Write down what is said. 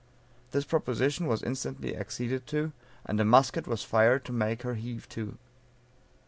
This proposition was instantly acceded to, and a musket was fired to make her heave to.